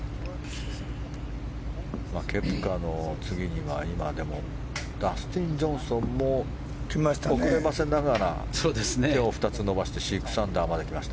ケプカの次にはダスティン・ジョンソンも遅ればせながら今日２つ伸ばして６アンダーまで来ました。